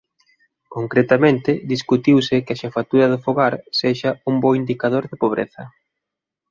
Concretamente discutiuse que a xefatura do fogar sexa un bo indicador de pobreza.